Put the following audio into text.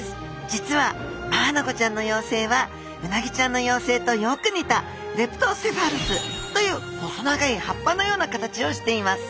実はマアナゴちゃんの幼生はウナギちゃんの幼生とよく似たレプトセファルスという細長い葉っぱのような形をしています。